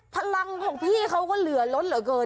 พลังที่พี่เค้าก็เหลือลดเหลือเกิน